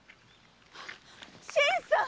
新さん！